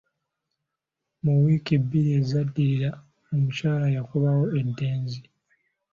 Mu wiiki bbiri ezaddirira, omukyala yakubawo eddenzi.